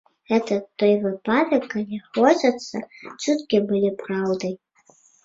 Гэта той выпадак, калі хочацца, каб чуткі былі праўдай.